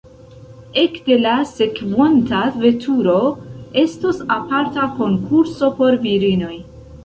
Ekde la sekvonta veturo estos aparta konkurso por virinoj.